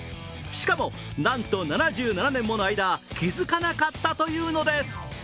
しかも、なんと７７年もの間気づかなかったというのです。